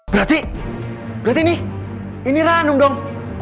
berarti berarti ini ini ranum dong